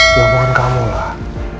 ngomongan kamu lah